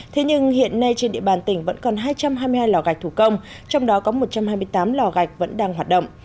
thế nhưng hiện nay trên địa bàn tỉnh vẫn còn hai trăm hai mươi hai lò gạch thủ công trong đó có một trăm hai mươi tám lò gạch vẫn đang hoạt động